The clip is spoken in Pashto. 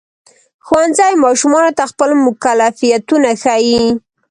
ښوونځی ماشومانو ته خپل مکلفیتونه ښيي.